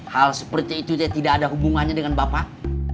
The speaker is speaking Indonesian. hal seperti itu dia tidak ada hubungannya dengan bapak